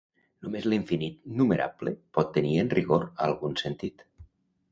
Només l'infinit numerable pot tenir en rigor algun sentit.